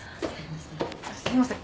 すみません。